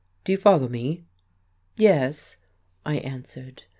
Do you follow me?" "Yes," I answered.